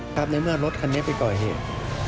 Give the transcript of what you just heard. ในเมื่อรถคันนี้ไปก่อเหตุ